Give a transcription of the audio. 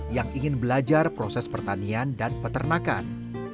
yang ingin belajar proses pertanian dan peternakan